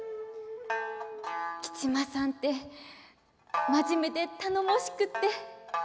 吉間さんって真面目で頼もしくって。